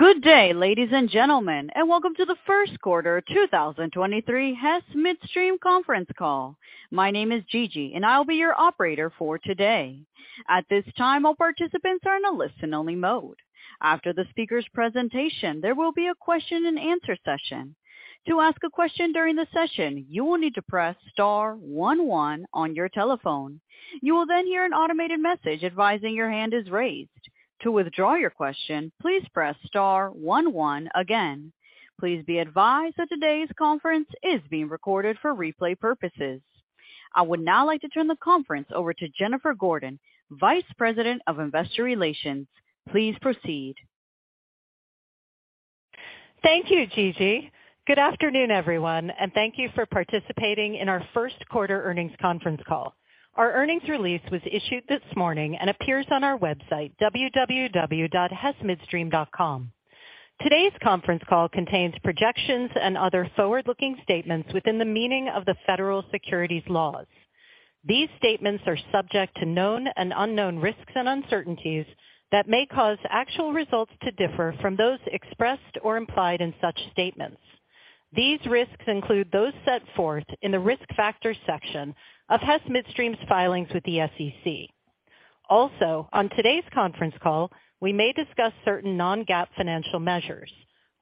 Good day, ladies and gentlemen, and welcome to the first quarter 2023 Hess Midstream conference call. My name is Gigi, and I'll be your operator for today. At this time, all participants are in a listen-only mode. After the speaker's presentation, there will be a question-and-answer session. To ask a question during the session, you will need to press star one one on your telephone. You will then hear an automated message advising your hand is raised. To withdraw your question, please press star one one again. Please be advised that today's conference is being recorded for replay purposes. I would now like to turn the conference over to Jennifer Gordon, Vice President of Investor Relations. Please proceed. Thank you, Gigi. Good afternoon, everyone. Thank you for participating in our first quarter earnings conference call. Our earnings release was issued this morning and appears on our website, www.hessmidstream.com. Today's conference call contains projections and other forward-looking statements within the meaning of the federal securities laws. These statements are subject to known and unknown risks and uncertainties that may cause actual results to differ from those expressed or implied in such statements. These risks include those set forth in the Risk Factors section of Hess Midstream's filings with the SEC. On today's conference call, we may discuss certain non-GAAP financial measures.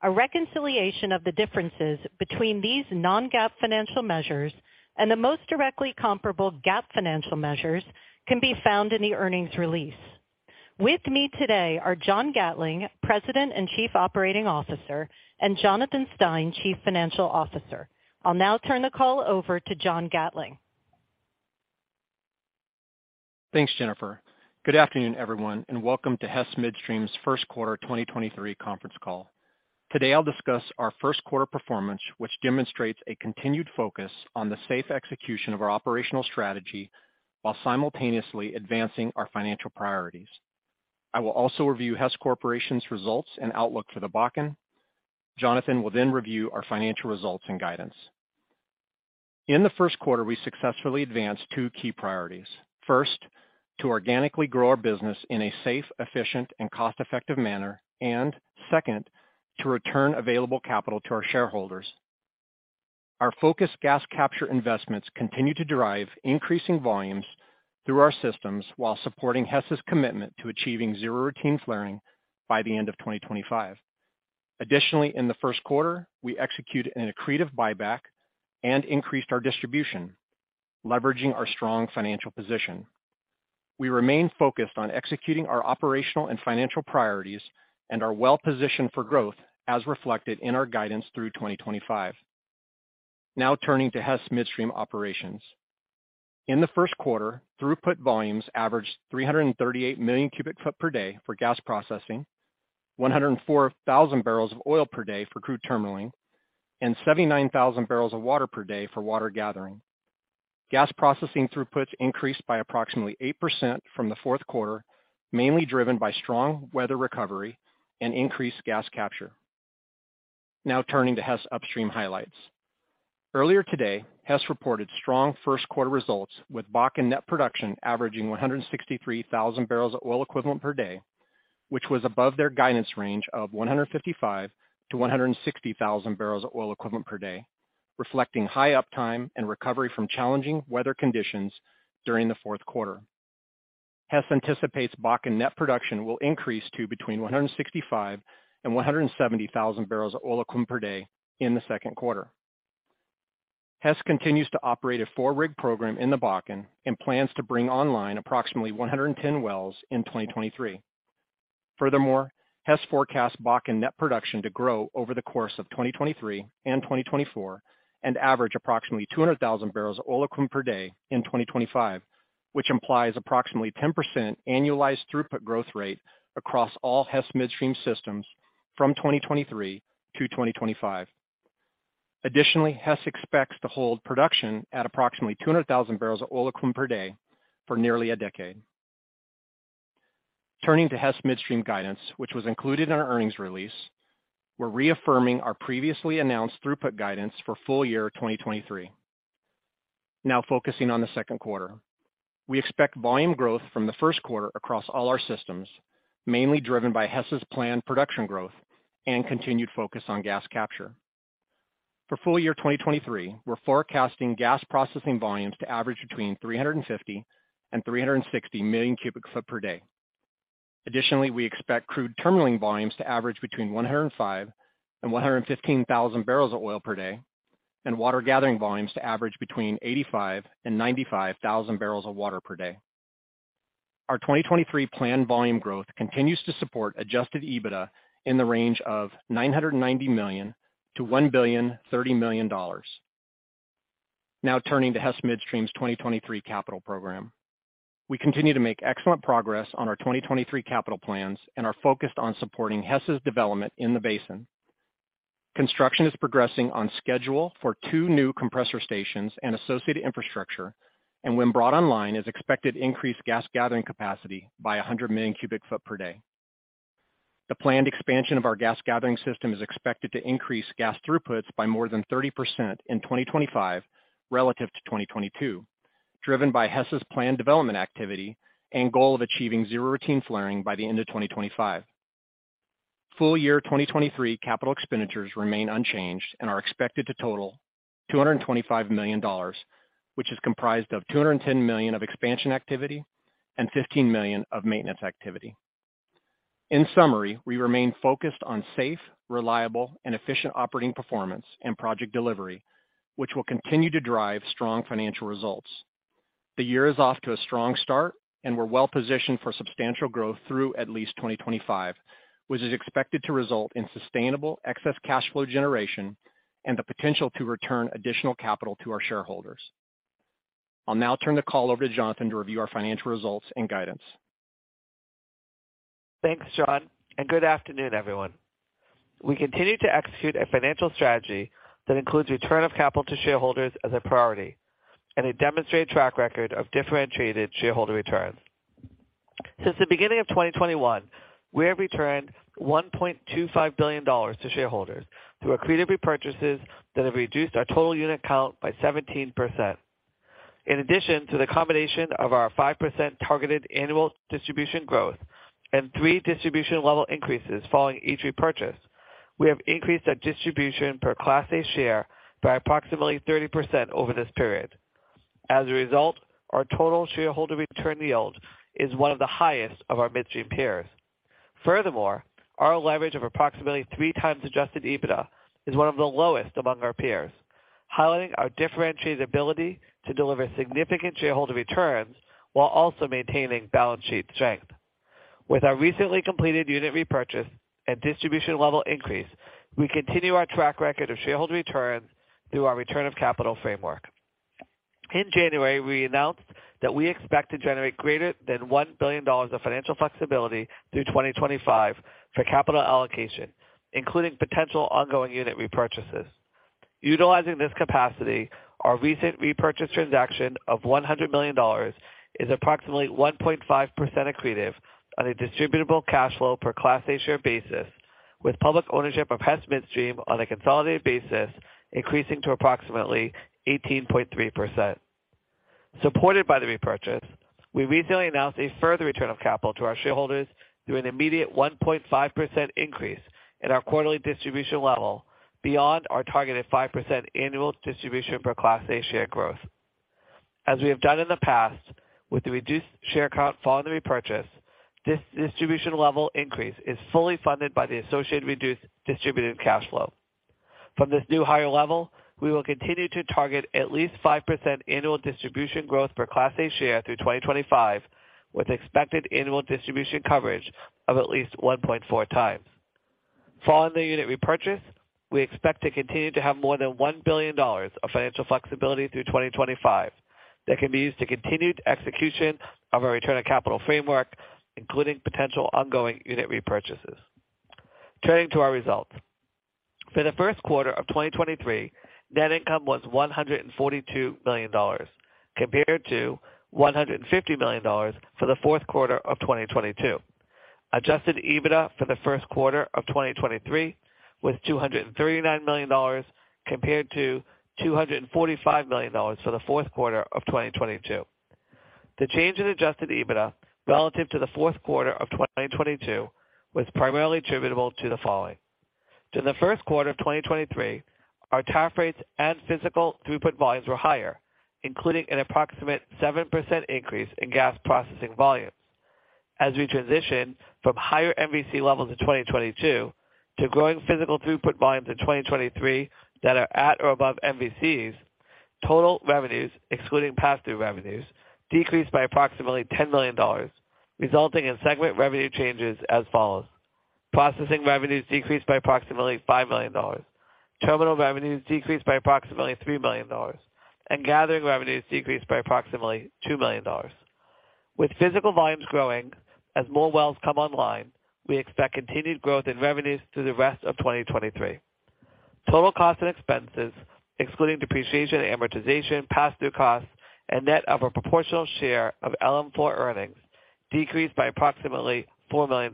A reconciliation of the differences between these non-GAAP financial measures and the most directly comparable GAAP financial measures can be found in the earnings release. With me today are John Gatling, President and Chief Operating Officer, and Jonathan Stein, Chief Financial Officer. I'll now turn the call over to John Gatling. Thanks, Jennifer. Good afternoon, everyone, and welcome to Hess Midstream's first-quarter 2023 conference call. Today, I'll discuss our first quarter performance, which demonstrates a continued focus on the safe execution of our operational strategy while simultaneously advancing our financial priorities. I will also review Hess Corporation's results and outlook for the Bakken. Jonathan will then review our financial results and guidance. In the first quarter, we successfully advanced two key priorities. First, to organically grow our business in a safe, efficient and cost-effective manner. Second, to return available capital to our shareholders. Our focused gas capture investments continue to drive increasing volumes through our systems while supporting Hess's commitment to achieving zero routines flaring by the end of 2025. Additionally, in the first quarter, we executed an accretive buyback and increased our distribution, leveraging our strong financial position. We remain focused on executing our operational and financial priorities and are well positioned for growth as reflected in our guidance through 2025. Turning to Hess Midstream operations. In the first quarter, throughput volumes averaged 338 million cu ft per day for gas processing, 104,000 bbl of oil per day for crude terminaling, and 79,000 bbl of water per day for water gathering. Gas processing throughputs increased by approximately 8% from the fourth quarter, mainly driven by strong weather recovery and increased gas capture. Turning to Hess Upstream highlights. Earlier today, Hess reported strong first quarter results, with Bakken net production averaging 163,000 bbl of oil equivalent per day, which was above their guidance range of 155,000 bbl-160,000 bbl of oil equivalent per day, reflecting high uptime and recovery from challenging weather conditions during the fourth quarter. Hess anticipates Bakken net production will increase to between 165,000 bbl and 170,000 bbl of oil equivalent per day in the second quarter. Hess continues to operate a four-rig program in the Bakken and plans to bring online approximately 110 wells in 2023. Furthermore, Hess forecasts Bakken net production to grow over the course of 2023 and 2024 and average approximately 200,000 bbl of oil equivalent per day in 2025, which implies approximately 10% annualized throughput growth rate across all Hess Midstream systems from 2023 to 2025. Additionally, Hess expects to hold production at approximately 200,000 bbl of oil equivalent per day for nearly a decade. Turning to Hess Midstream guidance, which was included in our earnings release, we're reaffirming our previously announced throughput guidance for full year 2023. Now focusing on the second quarter. We expect volume growth from the first quarter across all our systems, mainly driven by Hess's planned production growth and continued focus on gas capture. For full year 2023, we're forecasting gas processing volumes to average between 350 million and 360 million cu ft per day. Additionally, we expect crude terminaling volumes to average between 105,000 bbl and 115,000 bbl of oil per day and water gathering volumes to average between 85,000 bbl and 95,000 bbl of water per day. Our 2023 planned volume growth continues to support adjusted EBITDA in the range of $990 million to $1.03 billion. Now turning to Hess Midstream's 2023 capital program. We continue to make excellent progress on our 2023 capital plans and are focused on supporting Hess's development in the basin. Construction is progressing on schedule for two new compressor stations and associated infrastructure and when brought online is expected to increase gas gathering capacity by 100 million cu ft per day. The planned expansion of our gas gathering system is expected to increase gas throughputs by more than 30% in 2025 relative to 2022. Driven by Hess's planned development activity and goal of achieving zero routine flaring by the end of 2025. Full year 2023 capital expenditures remain unchanged and are expected to total $225 million, which is comprised of $210 million of expansion activity and $15 million of maintenance activity. In summary, we remain focused on safe, reliable, and efficient operating performance and project delivery, which will continue to drive strong financial results. The year is off to a strong start and we're well-positioned for substantial growth through at least 2025, which is expected to result in sustainable excess cash flow generation and the potential to return additional capital to our shareholders. I'll now turn the call over to Jonathan to review our financial results and guidance. Thanks, John, and good afternoon, everyone. We continue to execute a financial strategy that includes return of capital to shareholders as a priority and a demonstrated track record of differentiated shareholder returns. Since the beginning of 2021, we have returned $1.25 billion to shareholders through accretive repurchases that have reduced our total unit count by 17%. In addition to the combination of our 5% targeted annual distribution growth and three distribution level increases following each repurchase, we have increased our distribution per Class A share by approximately 30% over this period. As a result, our total shareholder return yield is one of the highest of our midstream peers. Furthermore, our leverage of approximately 3x adjusted EBITDA is one of the lowest among our peers, highlighting our differentiated ability to deliver significant shareholder returns while also maintaining balance sheet strength. With our recently completed unit repurchase and distribution level increase, we continue our track record of shareholder returns through our return of capital framework. In January, we announced that we expect to generate greater than $1 billion of financial flexibility through 2025 for capital allocation, including potential ongoing unit repurchases. Utilizing this capacity, our recent repurchase transaction of $100 million is approximately 1.5% accretive on a distributable cash flow per Class A share basis, with public ownership of Hess Midstream on a consolidated basis increasing to approximately 18.3%. Supported by the repurchase, we recently announced a further return of capital to our shareholders through an immediate 1.5% increase in our quarterly distribution level beyond our targeted 5% annual distribution per Class A share growth. As we have done in the past with the reduced share count following the repurchase, this distribution level increase is fully funded by the associated reduced distributed cash flow. From this new higher level, we will continue to target at least 5% annual distribution growth per Class A share through 2025, with expected annual distribution coverage of at least 1.4x. Following the unit repurchase, we expect to continue to have more than $1 billion of financial flexibility through 2025 that can be used to continue execution of our return of capital framework, including potential ongoing unit repurchases. Turning to our results. For the first quarter of 2023, net income was $142 million compared to $150 million for the fourth quarter of 2022. Adjusted EBITDA for the first quarter of 2023 was $239 million compared to $245 million for the fourth quarter of 2022. The change in adjusted EBITDA relative to the fourth quarter of 2022 was primarily attributable to the following. During the first quarter of 2023, our tariff rates and physical throughput volumes were higher, including an approximate 7% increase in gas processing volumes. As we transition from higher MVC levels in 2022 to growing physical throughput volumes in 2023 that are at or above MVCs, total revenues, excluding pass-through revenues, decreased by approximately $10 million, resulting in segment revenue changes as follows. Processing revenues decreased by approximately $5 million, terminal revenues decreased by approximately $3 million, and gathering revenues decreased by approximately $2 million. With physical volumes growing as more wells come online, we expect continued growth in revenues through the rest of 2023. Total costs and expenses, excluding depreciation, amortization, pass-through costs, and net of a proportional share of LM4 earnings, decreased by approximately $4 million,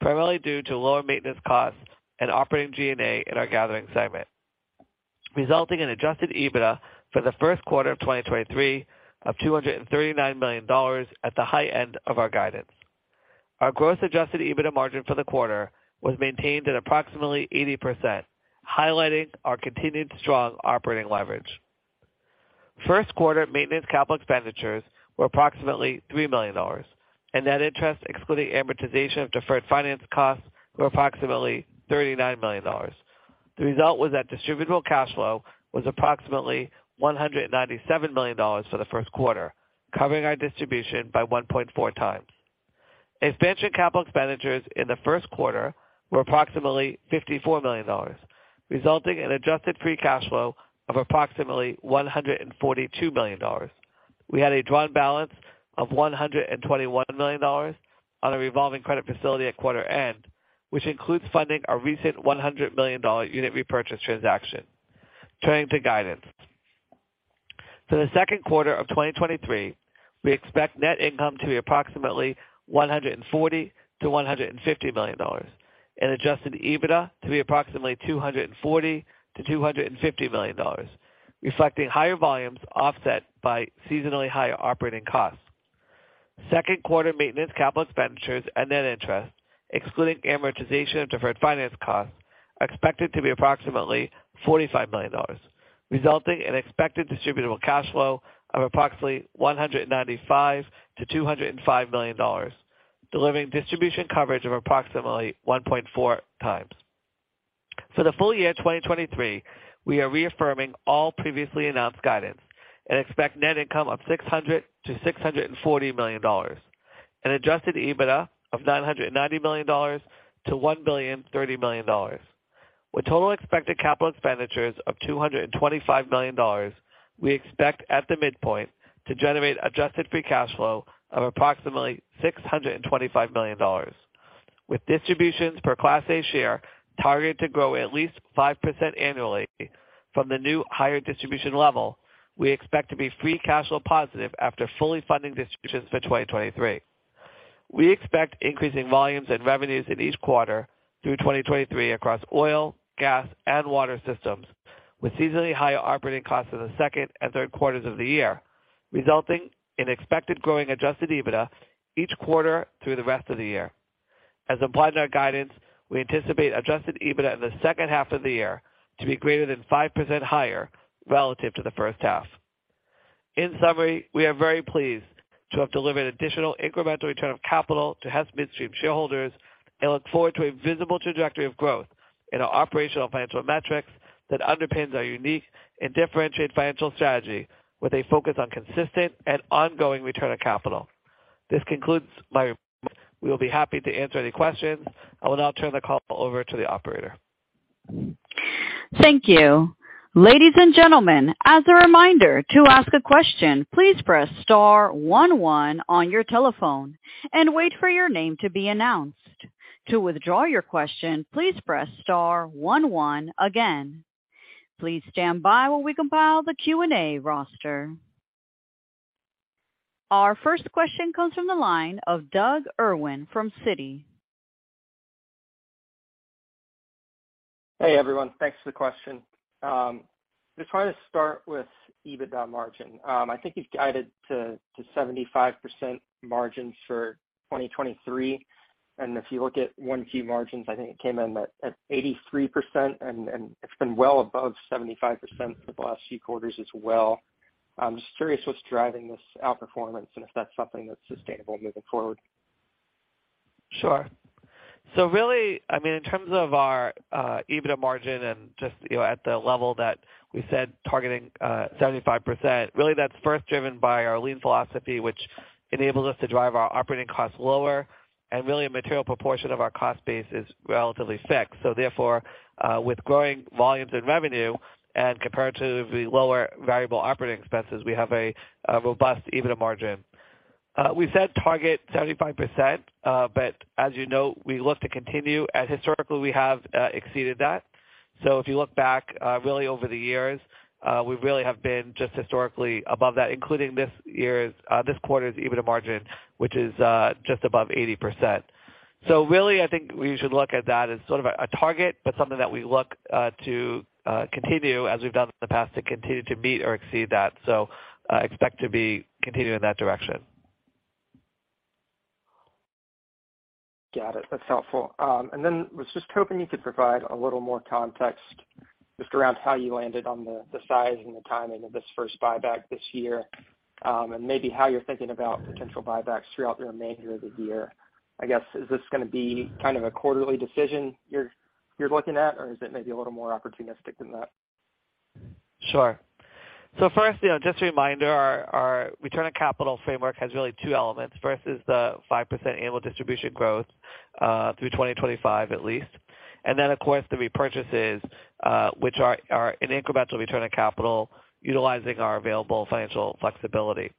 primarily due to lower maintenance costs and operating G&A in our gathering segment, resulting in adjusted EBITDA for the first quarter of 2023 of $239 million at the high end of our guidance. Our gross adjusted EBITDA Margin for the quarter was maintained at approximately 80%, highlighting our continued strong operating leverage. First quarter maintenance capital expenditures were approximately $3 million, and net interest, excluding amortization of deferred finance costs, were approximately $39 million. The result was that distributable cash flow was approximately $197 million for the first quarter, covering our distribution by 1.4x. Expansion capital expenditures in the first quarter were approximately $54 million, resulting in adjusted free cash flow of approximately $142 million. We had a drawn balance of $121 million on a revolving credit facility at quarter end, which includes funding our recent $100 million unit repurchase transaction. Turning to guidance. For the second quarter of 2023, we expect net income to be approximately $140 million-$150 million. Adjusted EBITDA to be approximately $240 million-$250 million, reflecting higher volumes offset by seasonally higher operating costs. Second quarter maintenance capital expenditures and net interest, excluding amortization of deferred finance costs, are expected to be approximately $45 million, resulting in expected distributable cash flow of approximately $195 million-$205 million, delivering distribution coverage of approximately 1.4x. For the full year 2023, we are reaffirming all previously announced guidance and expect net income of $600 million-$640 million and adjusted EBITDA of $990 million-$1,030 million. With total expected capital expenditures of $225 million, we expect at the midpoint to generate adjusted free cash flow of approximately $625 million. With distributions per Class A share targeted to grow at least 5% annually from the new higher distribution level, we expect to be free cash flow positive after fully funding distributions for 2023. We expect increasing volumes and revenues in each quarter through 2023 across oil, gas, and water systems, with seasonally higher operating costs in the second and third quarters of the year, resulting in expected growing adjusted EBITDA each quarter through the rest of the year. As implied in our guidance, we anticipate adjusted EBITDA in the second half of the year to be greater than 5% higher relative to the first half. In summary, we are very pleased to have delivered additional incremental return of capital to Hess Midstream shareholders and look forward to a visible trajectory of growth in our operational financial metrics that underpins our unique and differentiated financial strategy with a focus on consistent and ongoing return of capital. This concludes. We will be happy to answer any questions. I will now turn the call over to the operator. Thank you. Ladies and gentlemen, as a reminder, to ask a question, please press star one one on your telephone and wait for your name to be announced. To withdraw your question, please press star one one again. Please stand by while we compile the Q&A roster. Our first question comes from the line of Doug Irwin from Citi. Hey, everyone. Thanks for the question. Just wanted to start with EBITDA margin. I think you've guided to 75% margins for 2023. If you look at 1Q margins, I think it came in at 83% and it's been well above 75% for the last few quarters as well. I'm just curious what's driving this outperformance and if that's something that's sustainable moving forward. Sure. Really, I mean, in terms of our EBITDA margin and just, you know, at the level that we said targeting 75%, really that's first driven by our lean philosophy, which enables us to drive our operating costs lower. Really a material proportion of our cost base is relatively fixed. Therefore, with growing volumes in revenue and comparatively lower variable operating expenses, we have a robust EBITDA margin. We've set target 75%, but as you know, we look to continue as historically we have, exceeded that. If you look back, really over the years, we really have been just historically above that, including this year's, this quarter's EBITDA margin, which is just above 80%. Really, I think we should look at that as sort of a target, but something that we look to continue as we've done in the past, to continue to meet or exceed that. Expect to be continuing in that direction. Got it. That's helpful. Was just hoping you could provide a little more context just around how you landed on the size and the timing of this first buyback this year, and maybe how you're thinking about potential buybacks throughout the remainder of the year. I guess, is this gonna be kind of a quarterly decision you're looking at, or is it maybe a little more opportunistic than that? Sure. First, you know, just a reminder, our return on capital framework has really two elements. First is the 5% annual distribution growth through 2025 at least. Of course, the repurchases, which are an incremental return on capital utilizing our available financial flexibility.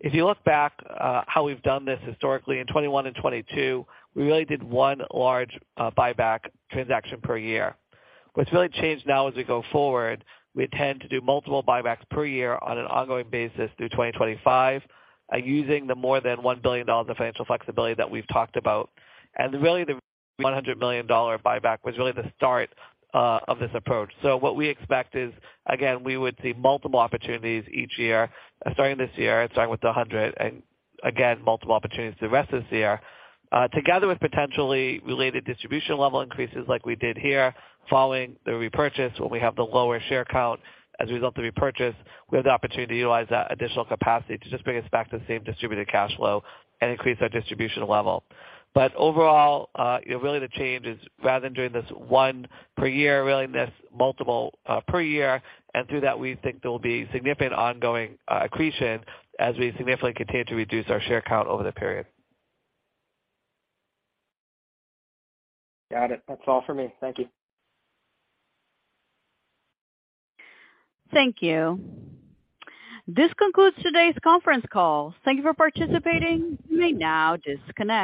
If you look back, how we've done this historically in 2021 and 2022, we really did one large buyback transaction per year. What's really changed now as we go forward, we intend to do multiple buybacks per year on an ongoing basis through 2025, using the more than $1 billion of financial flexibility that we've talked about. The $100 million buyback was really the start of this approach. What we expect is, again, we would see multiple opportunities each year, starting this year and starting with the hundred and, again, multiple opportunities the rest of this year. Together with potentially related distribution level increases like we did here following the repurchase when we have the lower share count as a result of the repurchase, we have the opportunity to utilize that additional capacity to just bring us back to the same distributable cash flow and increase our distribution level. Overall, you know, really the change is rather than doing this one per year, really this multiple per year. Through that, we think there will be significant ongoing accretion as we significantly continue to reduce our share count over the period. Got it. That's all for me. Thank you. Thank you. This concludes today's conference call. Thank you for participating. You may now disconnect.